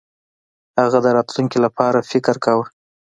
هغه د راتلونکي لپاره فکر کاوه.